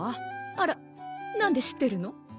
あら何で知ってるの？